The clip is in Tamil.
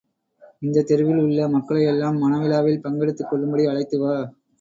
இந்தத் தெருவில் உள்ள மக்களையெல்லாம், மணவிழாவில் பங்கெடுத்துக் கொள்ளும்படி அழைத்து வா!